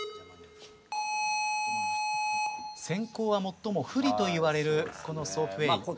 先攻は最も不利といわれるこのソープウェイ。